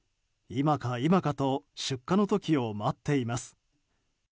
今か今かと出荷の時を待っています。